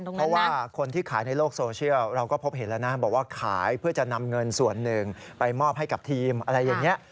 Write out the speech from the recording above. เพราะว่าคนที่ขายในโลกโซเชียลเราก็พบเห็นแล้วนะบอกว่าขายเพื่อจะนำเงินส่วนหนึ่งไปมอบให้กับทีมอะไรอย่างนี้